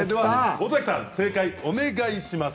尾崎さん正解をお願いします。